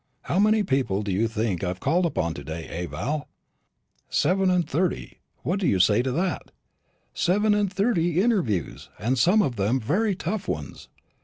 How many people do you think I've called upon to day, eh, Val? Seven and thirty! What do you say to that? Seven and thirty interviews, and some of them very tough ones.